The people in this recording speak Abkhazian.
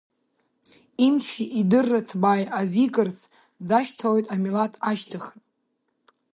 Имчи идырра ҭбааи азикырц дашьҭалоит амилаҭ ашьҭыхра.